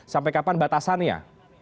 sampai kapan batasannya